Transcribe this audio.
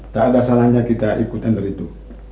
tak ada salahnya kita ikut tender itu